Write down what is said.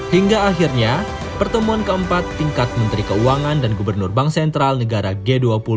hingga akhirnya pertemuan keempat tingkat menteri keuangan dan gubernur bank sentral negara g dua puluh